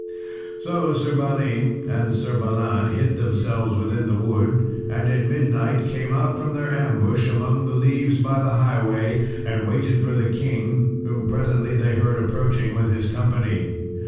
So Sir Balin and Sir Balan hid themselves within the wood, and at midnight came out from their ambush among the leaves by the highway, and waited for the king, whom presently they heard approaching with his company.